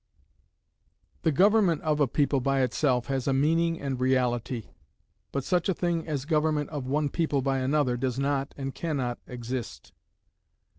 The government of a people by itself has a meaning and a reality, but such a thing as government of one people by another does not and can not exist.